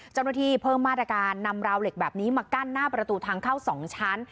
เจ้าหน้าที่เพิ่มมาตรการนำราวเหล็กแบบนี้มากั้นหน้าประตูทางเข้า๒ชั้น